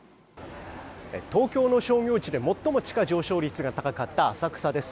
東京の商業地で最も地価上昇率が高かった浅草です。